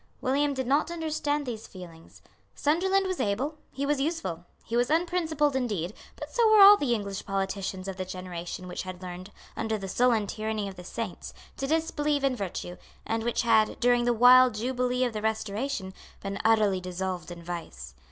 William did not understand these feelings. Sunderland was able; he was useful; he was unprincipled indeed; but so were all the English politicians of the generation which had learned, under the sullen tyranny of the Saints, to disbelieve in virtue, and which had, during the wild jubilee of the Restoration, been utterly dissolved in vice.